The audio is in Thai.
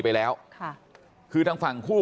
บอกแล้วบอกแล้วบอกแล้วบอกแล้ว